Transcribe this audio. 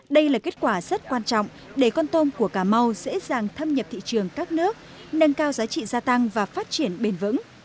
đây là kết quả rất quan trọng để con tôm của cà mau dễ dàng thâm nhập thị trường các nước nâng cao giá trị gia tăng và phát triển bền vững